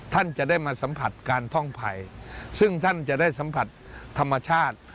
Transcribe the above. ท่านจะได้มาสัมผัสการท่องไผ่ซึ่งท่านจะได้สัมผัสธรรมชาติ